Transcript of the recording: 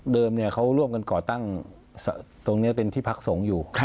เขาร่วมกันก่อตั้งตรงนี้เป็นที่พักสงฆ์อยู่